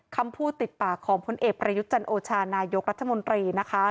คำพูดติดปากของพลเอกประยุทธ์จันโอชานายกรัฐมนตรีนะคะ